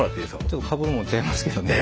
ちょっとかぶるもん違いますけどね。